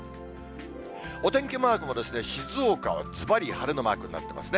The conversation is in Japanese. お天気マークも静岡はずばり晴れのマークになってますね。